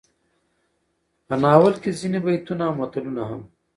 په ناول کې ځينې بيتونه او متلونه هم